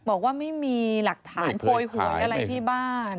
บอกว่าไม่มีหลักฐานโพยหวยอะไรที่บ้าน